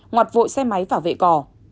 ngoặt vội xe máy vào vệ cỏ